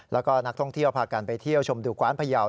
แล้วก็นักท่องเที่ยวพากันไปเที่ยวชมดูกว้านพยาว